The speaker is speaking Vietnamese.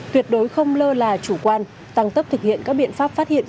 tuyệt đối không lơ là chủ quan tăng tấp thực hiện các biện pháp phát hiện